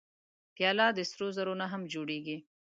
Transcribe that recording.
پیاله د سرو زرو نه هم جوړېږي.